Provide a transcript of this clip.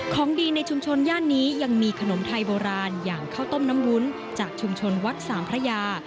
ของดีในชุมชนย่านนี้ยังมีขนมไทยโบราณอย่างข้าวต้มน้ำวุ้นจากชุมชนวัดสามพระยา